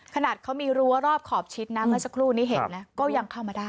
ขนาดเขามีรั้วรอบขอบชิดนะเมื่อสักครู่นี้เห็นนะก็ยังเข้ามาได้